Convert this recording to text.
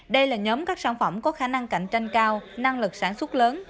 đây là nhóm các sản phẩm có khả năng cạnh tranh cao năng lực sản xuất lớn